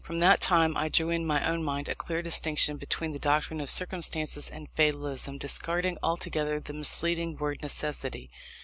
From that time I drew, in my own mind, a clear distinction between the doctrine of circumstances and Fatalism; discarding altogether the misleading word Necessity.